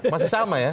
masih sama ya